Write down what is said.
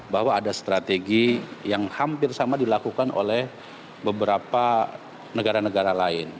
bahwa ada strategi yang hampir sama dilakukan oleh beberapa negara negara lain